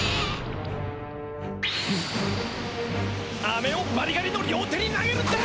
アメをバリガリの両手に投げるんだ！